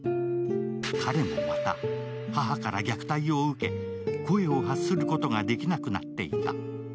彼もまた母から虐待を受け、声を発することができなくなっていた。